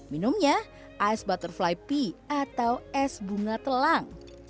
minumnya ice butterfly pea atau es bunga telang